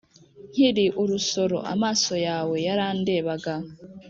Nkiri urusoro amaso yawe yarandebaga